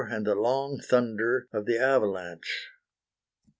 And the long thunder of the avalanche!